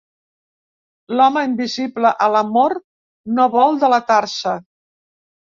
L'home invisible a l'amor no vol delatar-se.